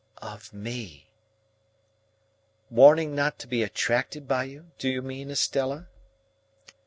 "Of me." "Warning not to be attracted by you, do you mean, Estella?"